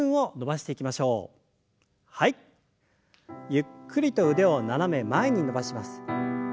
ゆっくりと腕を斜め前に伸ばします。